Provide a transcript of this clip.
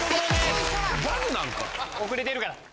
遅れてるから。